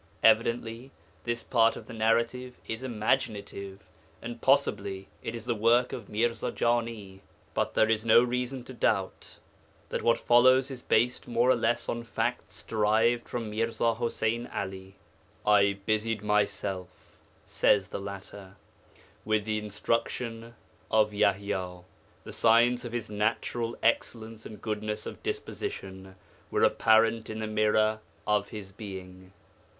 Evidently this part of the narrative is imaginative, and possibly it is the work of Mirza Jani. But there is no reason to doubt that what follows is based more or less on facts derived from Mirza Ḥuseyn 'Ali. 'I busied myself,' says the latter, 'with the instruction of [Yaḥya]. The signs of his natural excellence and goodness of disposition were apparent in the mirror of his being.